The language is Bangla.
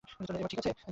এবার ঠিক আছে?